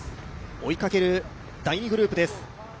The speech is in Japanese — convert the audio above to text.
追いかける第２グループです。